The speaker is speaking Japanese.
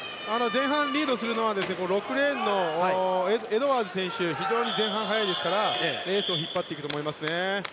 前半リードするのは６レーンのエドワーズ選手は非常に前半が速いですからレースを引っ張っていくと思いますね。